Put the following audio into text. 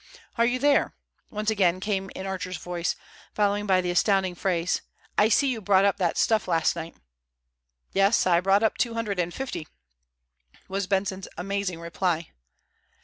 "Are you there?" once again came in Archer's voice, followed by the astounding phrase, "I see you brought up that stuff last night." "Yes, I brought up two hundred and fifty," was Benson's amazing reply.